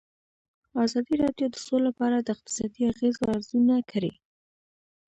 ازادي راډیو د سوله په اړه د اقتصادي اغېزو ارزونه کړې.